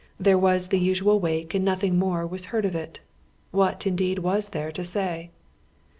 There was tlie usual wake and nothing more was Iieard of it. "What, indeed, was there to say